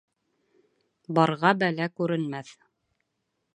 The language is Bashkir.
Барға бәлә күренмәҫ.